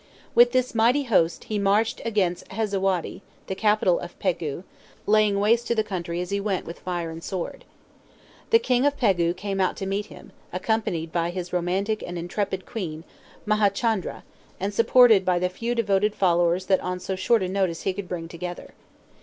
With this mighty host he marched against Henzawadi, the capital of Pegu, laying waste the country as he went with fire and sword. The king of Pegu came out to meet him, accompanied by his romantic and intrepid queen, Maha Chandra, and supported by the few devoted followers that on so short a notice he could bring together.